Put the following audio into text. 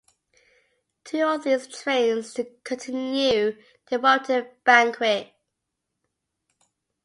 Two of these trains continue to Warrington Bank Quay.